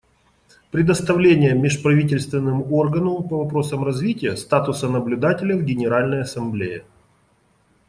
Предоставление Межправительственному органу по вопросам развития статуса наблюдателя в Генеральной Ассамблее.